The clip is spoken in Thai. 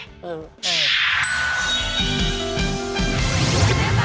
เออเออ